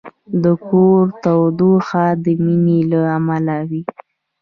د کور تودوخه د مینې له امله وي.